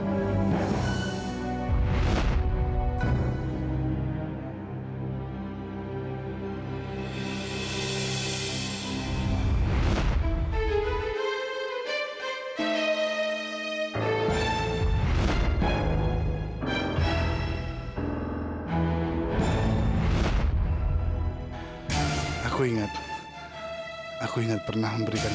kalung ini sangat berharga buat saya